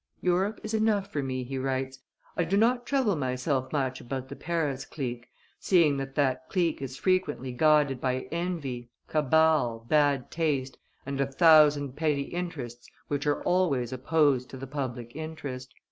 "Europe is enough for me," he writes; "I do not trouble myself much about the Paris clique, seeing that that clique is frequently guided by envy, cabal, bad taste, and a thousand petty interests which are always opposed to the public interest."